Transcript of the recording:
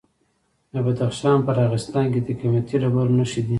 د بدخشان په راغستان کې د قیمتي ډبرو نښې دي.